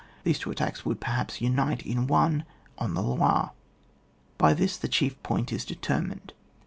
These two attacks would, perhaps, unite in one on the Loire. By this the chief point is determined.